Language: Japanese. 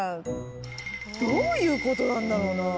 どういう事なんだろうな？